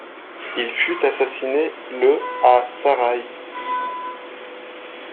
Il fut assassiné le à Saraï.